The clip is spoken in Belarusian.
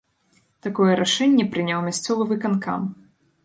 Такое рашэнне прыняў мясцовы выканкам.